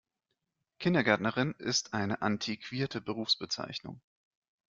Kindergärtnerin ist eine antiquierte Berufsbezeichnung.